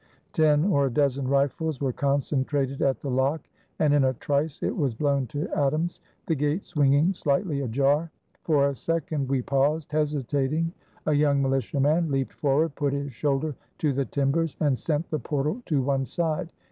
Ten or a dozen rifles were concentrated at the lock, and in a trice it was blown to atoms, the gate swinging slightly ajar. For a second we paused, hesitating. A young militiaman leaped forward, put his shoulder to the timbers, and sent the portal to one side.